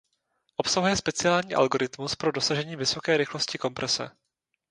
Obsahuje speciální algoritmus pro dosažení vysoké rychlosti komprese.